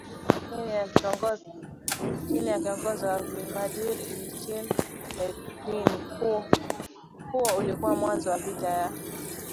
chini ya kiongozi wao Vladimir Ilyich Lenin Huo ulikuwa mwanzo wa vita ya